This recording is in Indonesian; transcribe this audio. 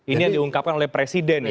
ini yang diungkapkan oleh presiden